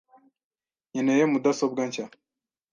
Nkeneye mudasobwa nshya .